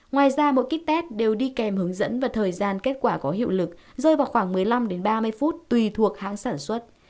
ngoài ra mỗi kit test đều đi kèm hướng dẫn và thời gian kết quả có hiệu lực rơi vào khoảng một mươi năm ba mươi phút tùy thuộc hãng sản xuất